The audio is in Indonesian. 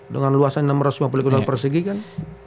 dengan luasan enam ratus lima puluh persegi kan